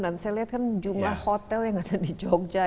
saya lihat kan jumlah hotel yang ada di jogja